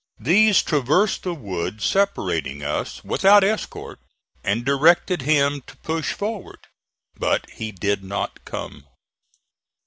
These traversed the wood separating us, without escort, and directed him to push forward; but he did not come.